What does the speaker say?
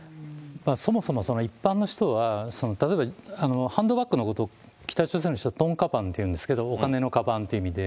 そもそも一般の人は、例えば、ハンドバッグのことを北朝鮮の人、トンかばんって言うんですけど、お金のかばんっていう意味で。